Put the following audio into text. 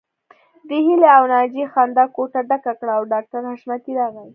د هيلې او ناجيې خندا کوټه ډکه کړه او ډاکټر حشمتي راغی